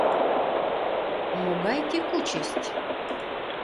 Могай «текучесть?..»